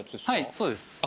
はいそうです。